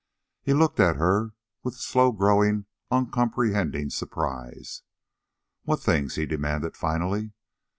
He looked at her with slow growing, uncomprehending surprise. "What things?" he demanded finally.